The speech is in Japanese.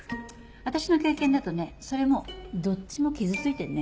私の経験だとねそれもうどっちも傷ついてるね。